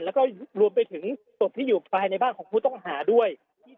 แล้วก็รวมไปถึงศพที่อยู่ภายในบ้านของผู้ต้องหาด้วย